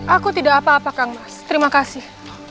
aku tidak apa apa kang terima kasih